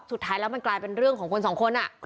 สุดท้ายแล้วมันกลายเป็นเรื่องของคนสองคน